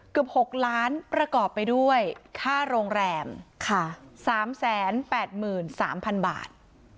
เกือบหกล้านประกอบไปด้วยค่าโรงแรมค่ะสามแสนแปดหมื่นสามพันบาท